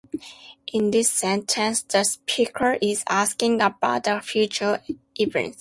In this sentence, the speaker is asking about a future event.